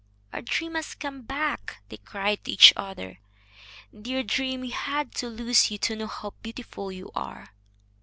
"Our dream has come back!" they cried to each other. "Dear dream, we had to lose you to know how beautiful you are!"